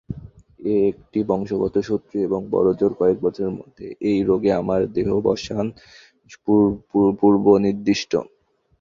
এ একটি বংশগত শত্রু এবং বড়জোর কয়েক বছরের মধ্যে এই রোগে আমার দেহাবসান পূর্বনির্দিষ্ট।